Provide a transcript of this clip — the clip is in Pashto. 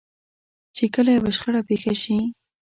چې کله يوه شخړه پېښه شي.